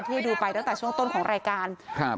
ที่ดูไปตั้งแต่ช่วงต้นของรายการครับ